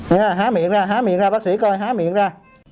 nha há miệng ra há miệng ra bác sĩ coi há miệng ra